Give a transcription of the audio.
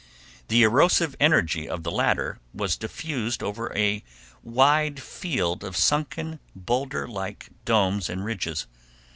The erosive energy of the latter was diffused over a wide field of sunken, boulder like domes and ridges.